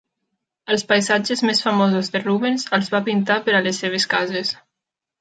Els paisatges més famosos de Rubens els va pintar per a les seves cases.